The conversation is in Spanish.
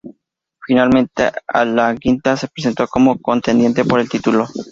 Finalmente Al Iaquinta se presentó como contendiente por el título.